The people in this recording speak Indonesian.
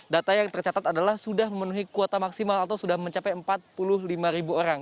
data yang tercatat adalah sudah memenuhi kuota maksimal atau sudah mencapai empat puluh lima ribu orang